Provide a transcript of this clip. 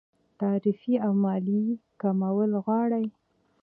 تعرفې او مالیې کمول غواړي.